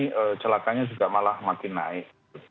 kecelakanya juga malah makin naik